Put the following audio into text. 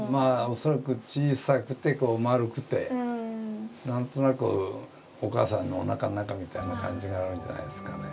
恐らく小さくて丸くて何となくお母さんのおなかの中みたいな感じがあるんじゃないですかね。